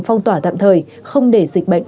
phong tỏa tạm thời không để dịch bệnh